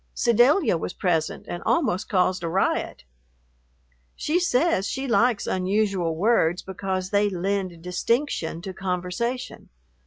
Sedalia was present and almost caused a riot. She says she likes unusual words because they lend distinction to conversation.